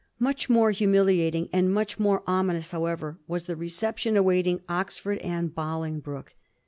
Much more humiliating, much more ominous, however, was the reception awaiting Oxford and Bolingbroke.